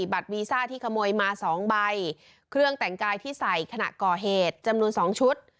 บัตรวีซ่าที่ขโมยมา๒ใบเครื่องแต่งกายที่ใส่ขณะก่อเหตุจำนวน๒ชุด